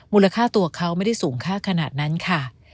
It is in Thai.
มูลค่าตัวเขาไม่ได้สูงค่าขนาดนั้นค่ะ